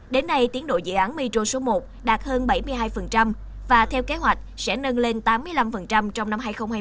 đến nay tiến độ dự án mitro số một đạt hơn bảy mươi hai và theo kế hoạch sẽ nâng lên tám mươi năm trong năm hai nghìn hai mươi